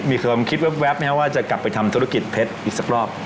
มีความคิดแว๊บไหมครับว่าจะกลับไปทำธุรกิจเพชรอีกสักรอบ